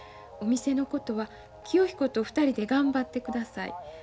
お店のことは清彦と２人で頑張ってください。